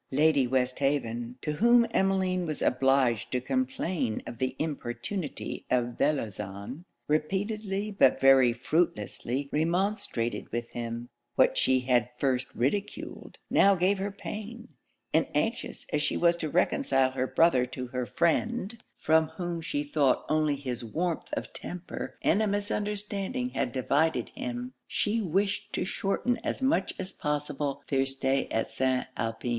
Lady Westhaven, to whom Emmeline was obliged to complain of the importunity of Bellozane, repeatedly but very fruitlessly remonstrated with him. What she had at first ridiculed, now gave her pain; and anxious as she was to reconcile her brother to her friend, from whom she thought only his warmth of temper and a misunderstanding had divided him, she wished to shorten as much as possible their stay at St. Alpin.